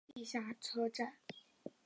地下车站。